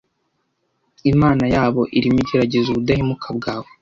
Imana yaba irimo igerageza ubudahemuka bwawe